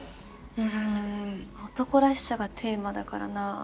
うん「男らしさ」がテーマだからな。